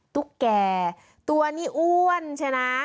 ตัวแก่ตัวนี้อ้วนใช่นะ